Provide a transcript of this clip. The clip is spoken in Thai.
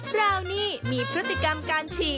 บราวนี่มีปลอดภัณฑ์ของเจ้าบัดดี้